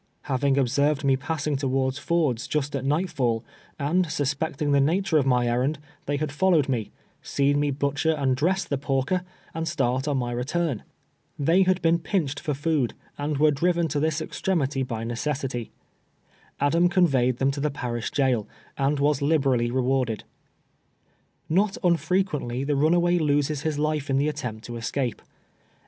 Having observed mc passing towards Ford's just at night fall, and suspecting the nature of my errand, they had followed me, seen me butcher and di ess the porker, and start on my return. AUGUSTUS KILLED BY DOGS. 243 Tlicv liad been pinclied for food, and were driven to this extremity by necessity. Adam conveyed tlieni to the parish jail, and was liberally rewarded. Xot nnfrequently the runaway loses his life in the attempt to escape.